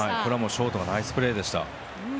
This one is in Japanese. ショートのナイスプレーでした。